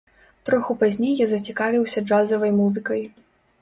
Троху пазней я зацікавіўся джазавай музыкай.